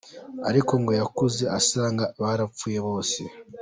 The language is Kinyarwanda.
Ariko ngo yakuze asanga barapfuye bose.